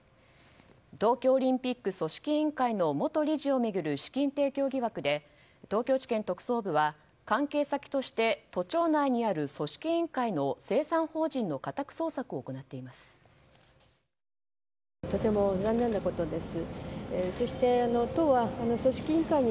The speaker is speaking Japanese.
東京オリンピック組織委員会の元理事を巡る資金提供疑惑で東京地検特捜部は関係先として都庁内にある組織委員会の清算法人の家宅捜索を行っています。